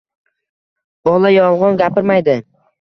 Bola yolgʻon gapirmaydi.